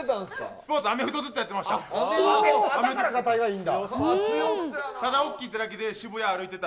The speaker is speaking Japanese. スポーツ、アメフトずっとやってました。